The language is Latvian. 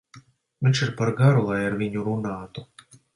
Viņš ir par garu, lai ar viņu runātu.